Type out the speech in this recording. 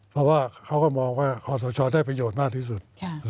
เพราะว่าเขาก็มองว่าคอสชได้ประโยชน์มากที่สุด